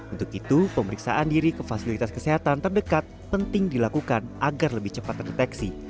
untuk itu pemeriksaan diri ke fasilitas kesehatan terdekat penting dilakukan agar lebih cepat terdeteksi